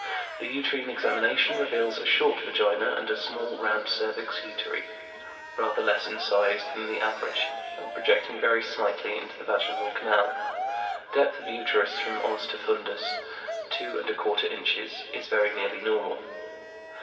The uterine examination reveals a short vagina, and a small, round cervix uteri, rather less in size than the average, and projecting very slightly into the vaginal canal. Depth of uterus from os to fundus, two and a quarter inches, is very nearly normal.